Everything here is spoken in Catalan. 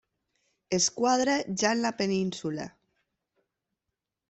Esquadra, ja en la Península.